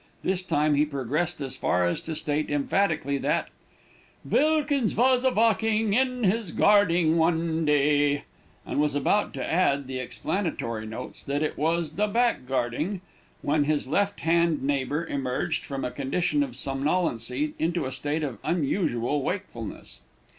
This time he progressed as far as to state emphatically that, "Vilikins vas a valkin' in his garding one day," And was about to add the explanatory notes, that it was the "back garding," when his left hand neighbor emerged from a condition of somnolency into a state of unusual wakefulness.